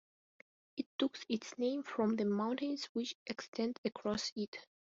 It took its name from the mountains which extend across it.